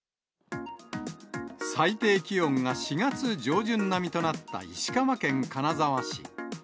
最低気温が４月上旬並みとなった石川県金沢市。